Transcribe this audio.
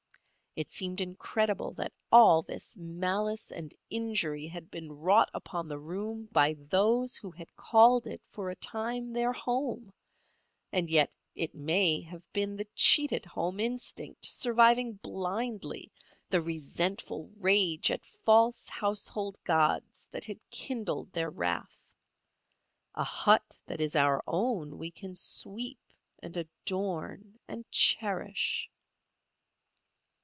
It seemed incredible that all this malice and injury had been wrought upon the room by those who had called it for a time their home; and yet it may have been the cheated home instinct surviving blindly, the resentful rage at false household gods that had kindled their wrath. A hut that is our own we can sweep and adorn and cherish.